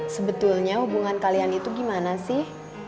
sebetulnya hubungan kalian itu gimana sih